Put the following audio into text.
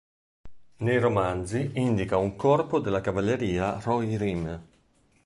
Nei romanzi indica un corpo della cavalleria Rohirrim.